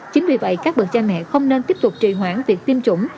chính vì vậy các bậc cha mẹ không nên tiếp tục trì hoãn việc tiêm chủng